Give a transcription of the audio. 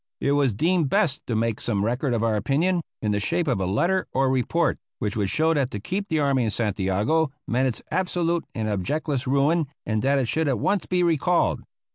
It was deemed best to make some record of our opinion, in the shape of a letter or report, which would show that to keep the army in Santiago meant its absolute and objectless ruin, and that it should at once be recalled.